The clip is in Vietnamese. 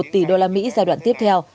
một mươi một tỷ usd giai đoạn tiếp theo